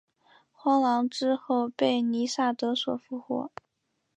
荒狼之后被狄萨德所复活。